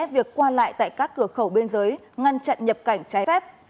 việc qua lại tại các cửa khẩu bên dưới ngăn chặn nhập cảnh trái phép